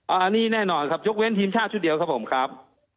อันนี้แน่นอนครับยกเว้นทีมชาติชุดเดียวครับผมครับ